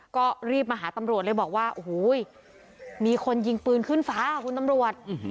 ก็รีบมาหาตำรวจเลยบอกว่าโอ้โหมีคนยิงปืนขึ้นฟ้าคุณตำรวจ